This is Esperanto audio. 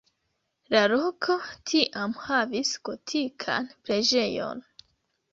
La loko tiam havis gotikan preĝejon.